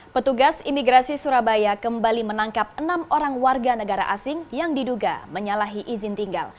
petugas imigrasi surabaya kembali menangkap enam orang warga negara asing yang diduga menyalahi izin tinggal